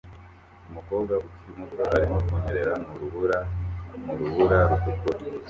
Umukobwa ukiri muto arimo kunyerera mu rubura mu rubura rutukura